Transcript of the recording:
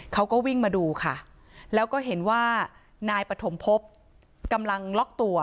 เขาก็วิ่งมาดูค่ะแล้วก็เห็นว่านายปฐมพบกำลังล็อกตัว